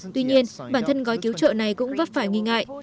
tuy nhiên bản thân gói cứu trợ này cũng vấp phải nghi ngại